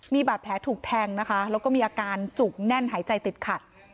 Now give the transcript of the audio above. มีบาดแผลถูกแทงนะคะแล้วก็มีอาการจุกแน่นหายใจติดขัด